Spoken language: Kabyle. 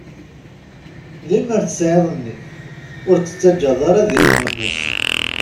Lemmer tesɛiḍ nnif, ur t-tettaǧǧaḍ ara ad ixnunes.